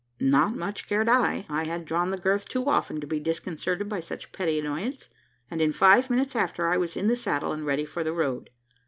Not much cared I. I had drawn the girth too often, to be disconcerted by such petty annoyance; and, in five minutes after, I was in the saddle and ready for the road.